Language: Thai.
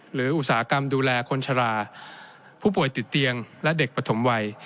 อุตสาหกรรมดูแลคนชะลาผู้ป่วยติดเตียงและเด็กปฐมวัย